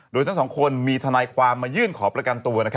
โดยทั้งสองคนมีทนายความมายื่นขอประกันตัว